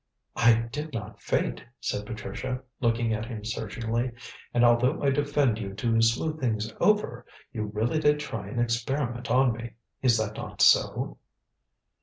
"I did not faint," said Patricia, looking at him searchingly. "And although I defended you to smooth things over, you really did try and experiment on me. Is that not so?"